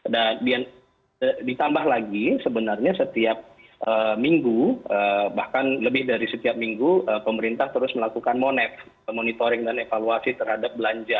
dan ditambah lagi sebenarnya setiap minggu bahkan lebih dari setiap minggu pemerintah terus melakukan monep monitoring dan evaluasi terhadap belanja